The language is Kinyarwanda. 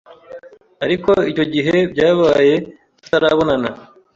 Ariko icyo gihe byabaye tutarabonana